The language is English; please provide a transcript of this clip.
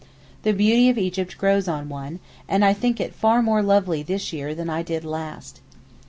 The beauty of Egypt grows on one, and I think it far more lovely this year than I did last.